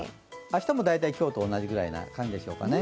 明日も大体今日と同じくらいな感じでしょうかね。